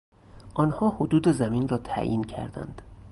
آنها حدود زمین را تعیین کردند.